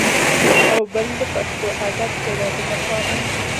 او بل د پښتو ادب د ودې لپاره